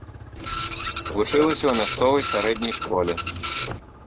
Вучылася ў мясцовай сярэдняй школе.